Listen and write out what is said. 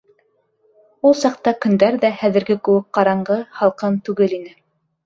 Ул саҡта көндәр ҙә хәҙерге кеүек ҡараңғы, һалҡын түгел ине.